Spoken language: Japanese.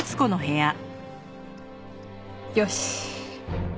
よし！